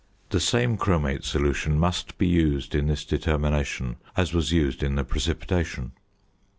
The same chromate solution must be used in this determination as was used in the precipitation.